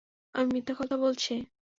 আমি মিথ্যা কথা বলছি?